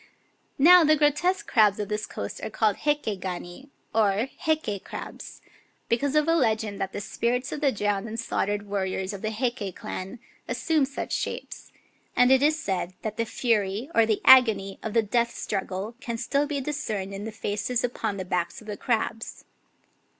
Now the grotesque crabs of this coast are called Heike gani, or " Heike crabs," because of a legend that the spirits of the drowned and slaughtered warriors of the Heike clan assumed such shapes ; and it is said that the fury or the agony of the death struggle can still be discerned in the faces upon the backs of the crabs.